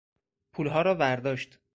پولها را ورداشت.